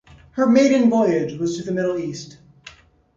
Her maiden voyage was to the Middle East.